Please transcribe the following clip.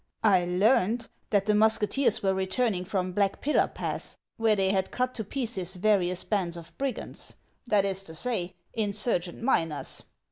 I learned that the musketeers were returning from Black Pillar Pass, where they had cut to pieces various bands of brigands, — that is to say, insurgent miners.